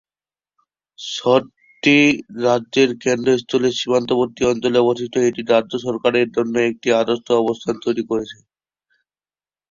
শহরটি রাজ্যের কেন্দ্রস্থলে সীমান্তবর্তী অঞ্চলে অবস্থিত, এটি রাজ্য সরকারের জন্য একটি আদর্শ অবস্থান তৈরি করেছে।